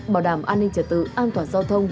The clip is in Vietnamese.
bảo đảm an ninh trật tự an toàn giao thông